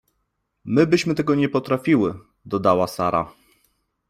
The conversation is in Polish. — My byśmy tego nie potrafiły — dodała Sara.